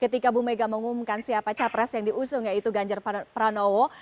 ketika bu mega mengumumkan siapa capres yang diusung yaitu ganjar pranowo